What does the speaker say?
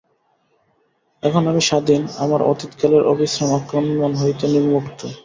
এখন আমি স্বাধীন, আমার অতীতকালের অবিশ্রাম আক্রমণ হইতে নির্মুক্ত।